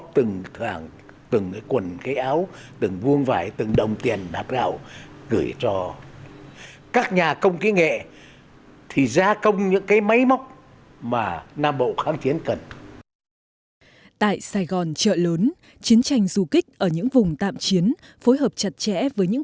tại sài gòn trợ lớn chiến tranh du kích ở những vùng tạm chiến phối hợp chặt chẽ với những